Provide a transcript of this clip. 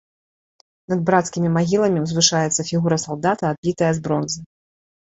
Над брацкімі магіламі ўзвышаецца фігура салдата, адлітая з бронзы.